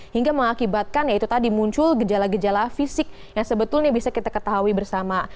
hingga mengakibatkan ya itu tadi muncul gejala gejala fisik yang sebetulnya bisa kita ketahui bersama